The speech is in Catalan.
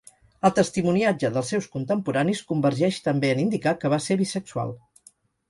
El testimoniatge dels seus contemporanis convergeix també en indicar que va ser bisexual.